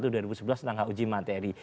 dua ribu sebelas dan nggak uji materi